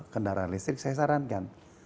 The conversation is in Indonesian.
kendaraan listrik saya sarankan